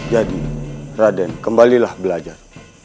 jadi raden kembalilah belajar